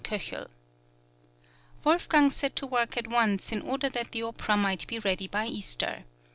Wolfgang set to work at once in order that the opera might be ready by Easter.